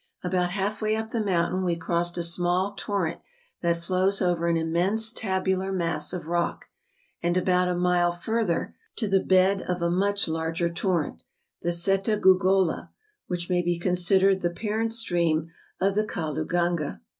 About half way up the mountain we crossed a small torrent that flows over an immense tabular mass of rock; and about a mile further, to the bed of a much larger torrent, the Setagongola, which may be considered the parent stream of the Kalu ganga.